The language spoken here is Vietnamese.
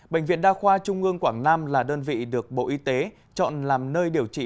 bệnh viện đa khoa trung ương quảng nam là đơn vị được bộ y tế chọn làm nơi điều trị